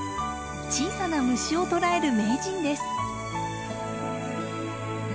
小さな虫を捕らえる名人です。